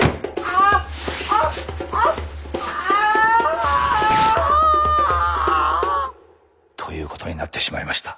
あっ！ということになってしまいました。